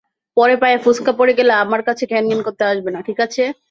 পরে পায়ে ফোসকা পড়ে গেলে আমার কাছে ঘ্যানঘ্যান করতে আসবে না, ঠিক আছে?